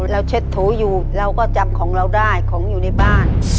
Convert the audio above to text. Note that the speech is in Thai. เช็ดถูอยู่เราก็จำของเราได้ของอยู่ในบ้าน